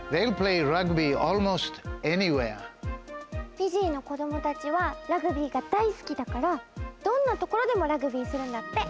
フィジーの子どもたちはラグビーが大すきだからどんなところでもラグビーするんだって。